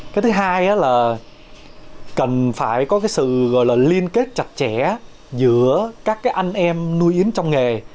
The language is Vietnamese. cái thứ hai là cần phải có cái sự gọi là liên kết chặt chẽ giữa các cái anh em nuôi yến trong nghề